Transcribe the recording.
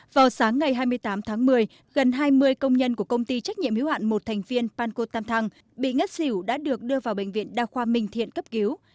vào sáng ngày hai mươi tám tháng một mươi gần hai mươi công nhân của công ty trách nhiệm hiếu hạn một thành viên panco tam thăng bị ngất xỉu đã được đưa vào bệnh viện đa khoa minh thiện cấp cứu